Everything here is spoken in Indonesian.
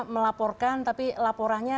melaporkan tapi laporannya